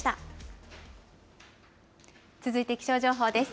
続いて気象情報です。